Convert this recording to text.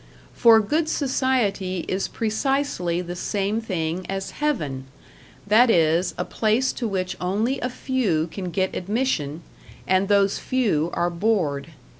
For Good Society is precisely the same thing as Heaven; that is, a place to which only a few can get admission, and those few are bored.